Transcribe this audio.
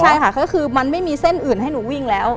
ใช่ค่ะก็คือมันไม่มีเส้นอื่นให้หนูวิ่งแล้ว